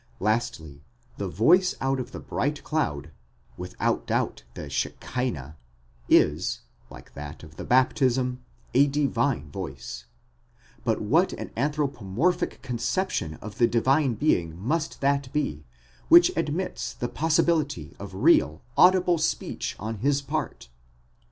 —Lastly, the voice out of the bright cloud (with out doubt the Shechinah) is, like that at the baptism, a divine voice: but what an anthropomorphic conception of the Divine Being must that be, which admits the possibility of real, audible speech on his part!